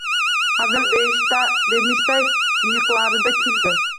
Hazil demishday, miyiqlarida kuldi.